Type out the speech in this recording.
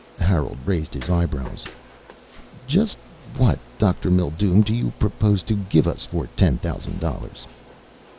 Harold raised his eyebrows. "Just what, Dr. Mildume, do you propose to give us for ten thousand dollars?"